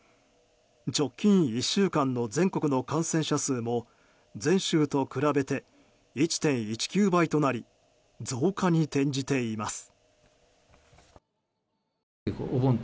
直近１週間の全国の感染者数も前週と比べて１．１９倍となり増加に転じています。